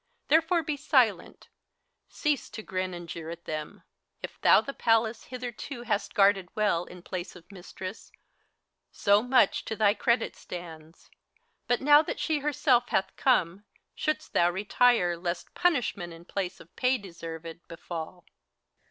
Therefore be silent, cease to grin and jeer at them! If thou the Palace hitherto hast guarded well In place of Mistress, so much to thy credit stands ; But now that she herself hath come, shouldst thou retire Lest punishment, in place of pay deserved, befall